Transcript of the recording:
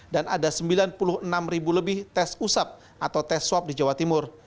dan ada sembilan puluh enam ribu lebih tes usap atau tes swab di jawa timur